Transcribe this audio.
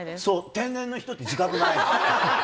天然の人って自覚ないの。